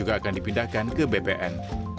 akan dipindahkan ke bpn